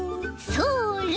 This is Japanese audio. それ！